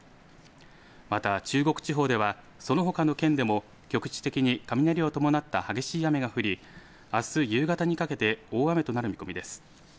また中国地方ではそのほかの県でも局地的に雷を伴った激しい雨が降りあす夕方にかけて大雨となる見込みです。